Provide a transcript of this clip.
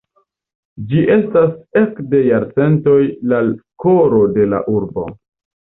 Ĝi estas ekde jarcentoj la koro de la urbo.